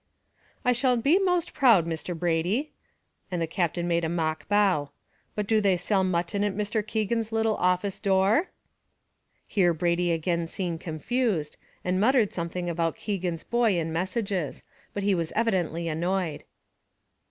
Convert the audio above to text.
"I shall be most proud, Mr. Brady," and the Captain made a mock bow; "but do they sell mutton at Mr. Keegan's little office door?" Here Brady again seemed confused, and muttered something about Keegan's boy and messages: but he was evidently annoyed.